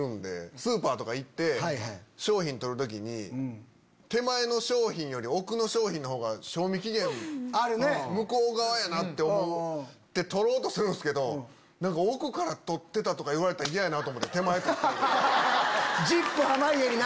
スーパーとか行って商品取る時に手前の商品より奥の商品のほうが賞味期限向こう側やなって思って取ろうとするんすけど奥から取ってたとか言われたら嫌やなと思って手前取ったり。